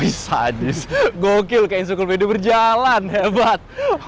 wih sadis gokil kayak insukul bd berjalan hebat